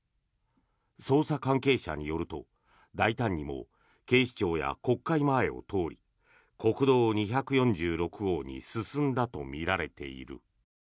捜査関係者によると大胆にも警視庁や国会前を通り国道２４６号に進んだとみられている。